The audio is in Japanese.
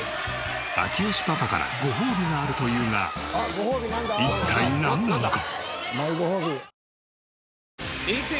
明慶パパからごほうびがあるというが一体なんなのか？